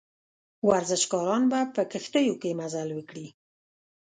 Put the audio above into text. ورزشکاران به په کښتیو کې مزل وکړي.